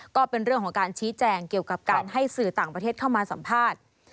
ก็เป็นเรื่องของการชี้แจงเกี่ยวกับการให้สื่อต่างประเทศเข้ามาสัมภาษณ์